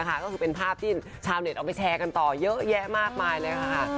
ก็คือเป็นภาพที่ชาวเน็ตเอาไปแชร์กันต่อเยอะแยะมากมายเลยค่ะ